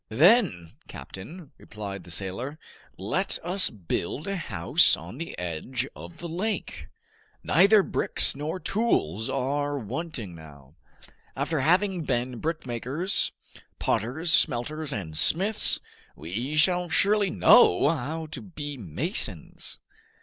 "Then, captain," replied the sailor, "let us build a house on the edge of the lake. Neither bricks nor tools are wanting now. After having been brickmakers, potters, smelters, and smiths, we shall surely know how to be masons!"